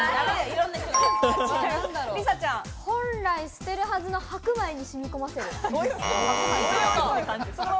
本来捨てるはずの白米に、しみこませる。